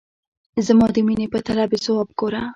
زما د میني په طلب یې ځواب ګوره !